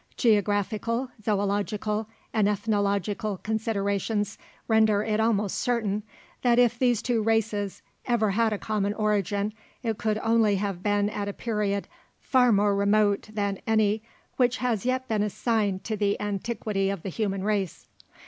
Geographical, zoological, and ethnological considerations render it almost certain, that if these two races ever had a common origin, it could only have been at a period far more remote than any which has yet been assigned to the antiquity of the human race.